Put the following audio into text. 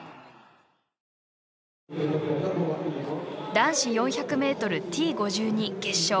男子４００ｍ、Ｔ５２決勝。